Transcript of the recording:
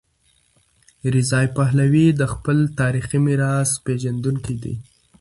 رضا پهلوي د خپل تاریخي میراث پیژندونکی دی.